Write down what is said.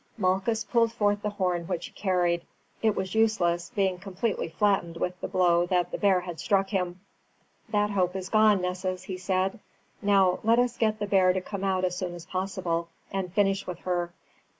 Malchus pulled forth the horn which he carried. It was useless, being completely flattened with the blow that the bear had struck him. "That hope is gone, Nessus," he said. "Now let us get the bear to come out as soon as possible, and finish with her.